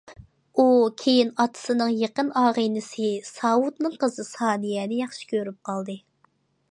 ئۇ كېيىن ئاتىسىنىڭ يېقىن ئاغىنىسى ساۋۇتنىڭ قىزى سانىيەنى ياخشى كۆرۈپ قالدى.